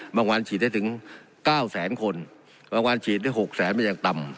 บางวันฉีดได้ถึงเก้าแสนคนบางวันฉีดได้หกแสนเป็นอย่างต่ำ